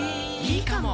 いいかも！